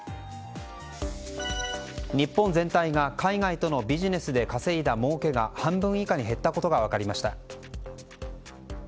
日本全体が海外とのビジネスで稼いだもうけが半分以下に減ったことが分かりました。